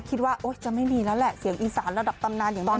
ว่าจะไม่มีแล้วแหละเสียงอีสานระดับตำนานอย่างน้อย